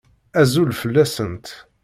Azul fell-asent.